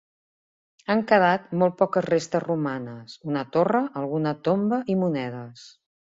Han quedat molt poques restes romanes: una torre, alguna tomba i monedes.